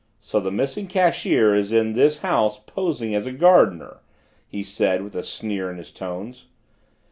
"So the missing cashier is in this house posing as a gardener?" he said with a sneer in his tones.